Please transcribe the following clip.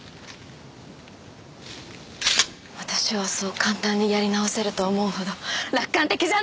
私はそう簡単にやり直せると思うほど楽観的じゃない！